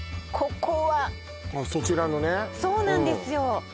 ここはあっそちらのねそうなんですよ